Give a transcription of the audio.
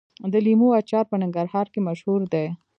د لیمو اچار په ننګرهار کې مشهور دی.